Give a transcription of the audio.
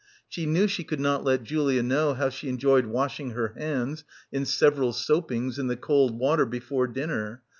She knew she could not let Julia know how she enjoyed washing her hands, in several soapings, in the cold water, before dinner.